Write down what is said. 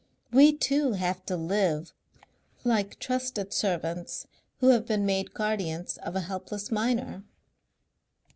We two have to live like trusted servants who have been made guardians of a helpless minor.